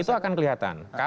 itu akan kelihatan